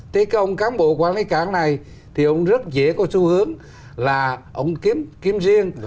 thế cái ông cán bộ quản lý cảng này thì ông rất dễ có xu hướng là ông kiếm riêng